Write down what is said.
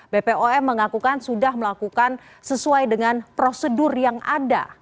bpom mengakukan sudah melakukan sesuai dengan prosedur yang ada